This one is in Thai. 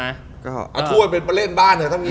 เอาถ้วยไปเล่นบ้านเหอะถ้ามันยิงแบบนี้